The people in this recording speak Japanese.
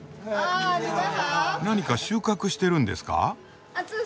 何か収穫してるんですか？